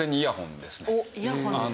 おっイヤホンですか。